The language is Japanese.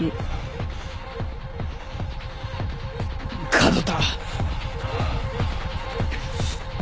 門田。